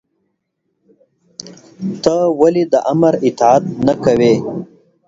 تۀ ولې د آمر اطاعت نۀ کوې؟